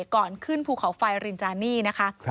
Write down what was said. ก่อนขึ้นภูเขาไฟรินจานี่นะคะ